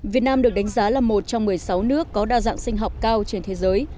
việt nam được đánh giá là một trong một mươi sáu nước có đa dạng sinh học cao trên thế giới